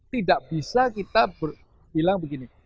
tidak bisa kita bilang begini